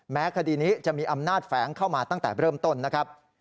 คดีนี้จะมีอำนาจแฝงเข้ามาตั้งแต่เริ่มต้นนะครับ